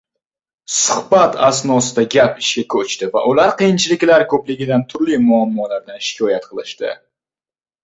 Suhbat asnosida gap ishga koʻchdi va ular qiyinchiliklar koʻpligidan, turli muammolardan shikoyat qilishdi.